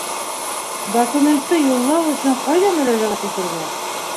Документты юллау өсөн ҡайҙа мөрәжәғәт итергә?